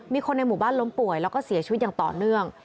มีคนในหมู่บ้านล้มป่วยแล้วก็เสียชีวิตอย่างต่อเนื่อง